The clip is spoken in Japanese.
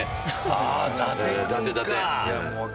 あ伊達君か。